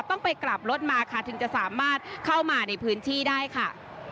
ต้องไปกลับรถมาค่ะถึงจะสามารถเข้ามาในพื้นที่ได้ค่ะ